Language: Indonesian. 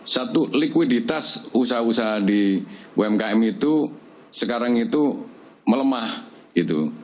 satu likuiditas usaha usaha di umkm itu sekarang itu melemah gitu